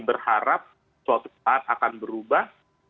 berharap suatu saat mungkin suatu hari kita akan mengubah undang undang